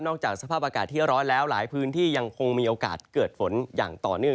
จากสภาพอากาศที่ร้อนแล้วหลายพื้นที่ยังคงมีโอกาสเกิดฝนอย่างต่อเนื่อง